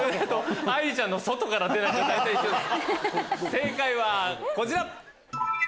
正解はこちら！